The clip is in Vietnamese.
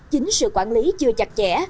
chính sự quản lý chưa chặt chẽ